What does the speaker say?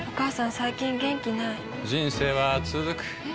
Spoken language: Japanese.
最近元気ない人生はつづくえ？